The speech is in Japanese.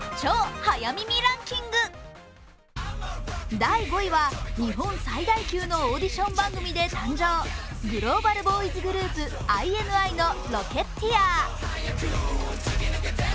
第５位は日本最大級のオーディション番組で誕生グローバルボーイズグループ、ＩＮＩの「Ｒｏｃｋｅｔｔｅｒ」。